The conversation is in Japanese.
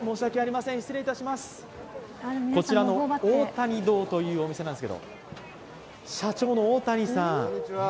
こちらの大谷堂というお店なんですけれども社長の大谷さん。